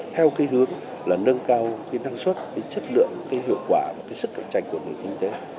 theo cái hướng là nâng cao cái năng suất cái chất lượng cái hiệu quả và cái sức cạnh tranh của nền kinh tế